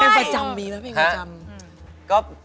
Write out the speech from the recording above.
เพลงประจำมีไหมเพลงประจำ